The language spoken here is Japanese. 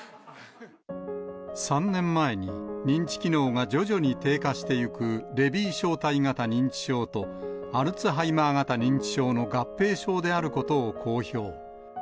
３年前に、認知機能が徐々に低下していくレビー小体型認知症と、アルツハイマー型認知症の合併症であることを公表。